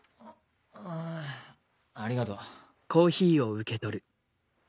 あぁありがとう。